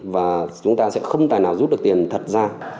và chúng ta sẽ không tài nào rút được tiền thật ra